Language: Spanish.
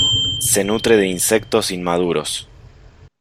Se nutre de insectos inmaduros.